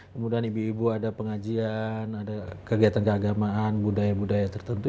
kemudian ibu ibu ada pengajian ada kegiatan keagamaan budaya budaya tertentu